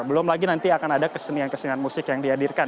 belum lagi nanti akan ada kesenian kesenian musik yang dihadirkan